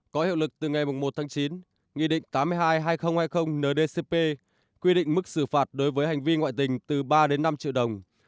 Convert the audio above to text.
có hiệu lực từ ngày một tháng chín nghị định tám mươi hai hai nghìn hai mươi ndcp quy định mức xử phạt đối với hành vi ngoại tình từ ba đến năm triệu đồng